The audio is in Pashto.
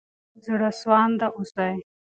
زړه سوانده اوسئ.